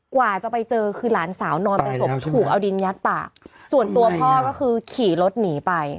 กว่าจะไปเจอคือหลานสาวนอนเป็นศพถูกเอาดินยัดปากส่วนตัวพ่อก็คือขี่รถหนีไป